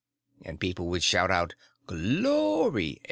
And people would shout out, "Glory!